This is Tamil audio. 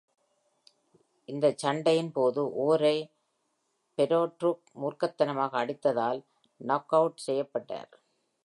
இந்த சண்டையின்போது ஓரை ஃபெடோரூக் மூர்க்கதனமாக அடித்ததால் நாக் அவுட் செய்யப்பட்டார்.